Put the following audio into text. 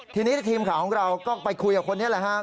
ทีนี้ทีมข่าวของเราก็ไปคุยกับคนนี้แหละครับ